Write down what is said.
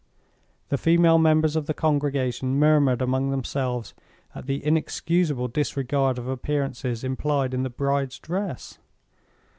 The female members of the congregation murmured among themselves at the inexcusable disregard of appearances implied in the bride's dress.